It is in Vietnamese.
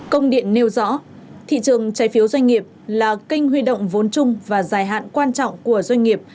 công điện nêu rõ thị trường trái phiếu doanh nghiệp là kênh huy động vốn chung và dài hạn quan trọng của doanh nghiệp